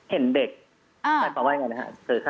เห็นเด็กถ้าเป็นว่าอย่างไรนะครับ